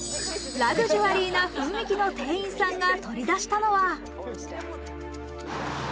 ラグジュアリーな雰囲気の店員さんが取り出したのは。